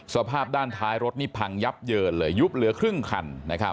สภาพด้านท้ายรถนี่พังยับเยินเลยยุบเหลือครึ่งคัน